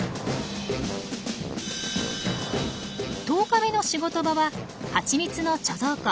１０日目の仕事場はハチミツの貯蔵庫。